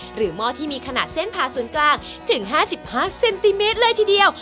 หม้อที่มีขนาดเส้นผ่าศูนย์กลางถึง๕๕เซนติเมตรเลยทีเดียว